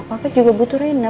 papa kan juga butuh rina